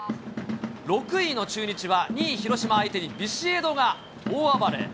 ６位の中日は、２位広島相手に、ビシエドが大暴れ。